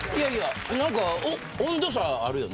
温度差あるよね